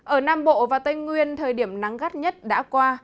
ở nam bộ và tây nguyên thời điểm nắng gắt nhất đã qua